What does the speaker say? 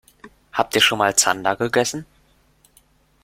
Habt ihr schon mal Zander gegessen?